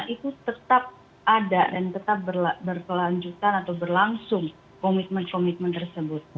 itu tetap ada dan tetap berkelanjutan atau berlangsung komitmen komitmen tersebut